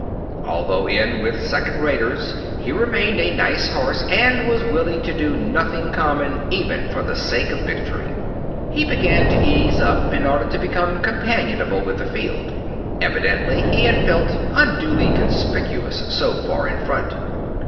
Although in with second raters he remained a nice horse and he was willing to do nothing common even for the sake of victory. He began to ease up in order to become companionable with the field. Evidently he had felt unduly conspicuous so far in front.